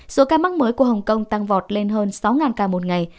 số ca mắc mới của hồng kông tăng vọt lên hơn sáu ca một ngày